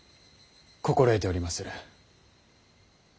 心得ておりまする。